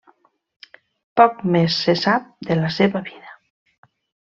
Poc més se sap de la seva vida.